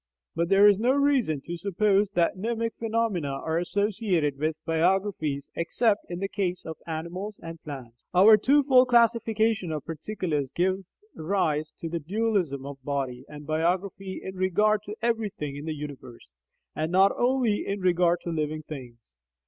But there is no reason to suppose that mnemic phenomena are associated with biographies except in the case of animals and plants. Our two fold classification of particulars gives rise to the dualism of body and biography in regard to everything in the universe, and not only in regard to living things.